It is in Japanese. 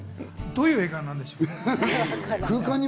どういう映画なんでしょう？